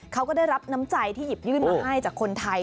เขาก็ได้รับน้ำใจที่หยิบยื่นมาให้จากคนไทย